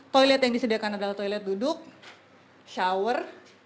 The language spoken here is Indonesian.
toilet yang disediakan adalah toilet duduk shower